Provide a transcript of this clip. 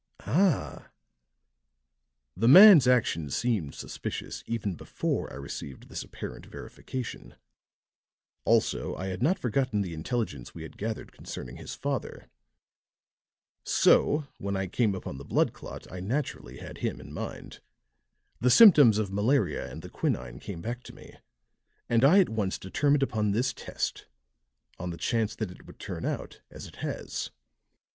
"Ah!" "The man's actions seemed suspicious, even before I received this apparent verification; also I had not forgotten the intelligence we had gathered concerning his father. So when I came upon the blood clot I naturally had him in mind; the symptoms of malaria and the quinine came back to me, and I at once determined upon this test on the chance that it would turn out as it has."